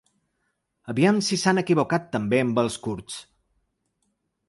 Aviam si s’han equivocat també amb els curts.